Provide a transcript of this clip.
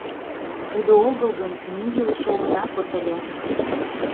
— Тудо огыл гын, ме илыше огына код ыле.